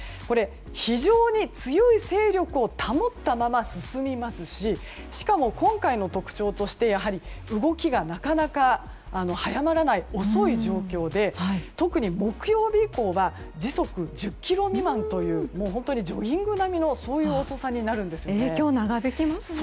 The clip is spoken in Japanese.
非常に強い勢力を保ったまま進みますししかも今回の特徴としてやはり動きがなかなか早まらない遅い状況で、特に木曜日以降は時速１０キロ未満という本当にジョギング並みの影響長引きますね。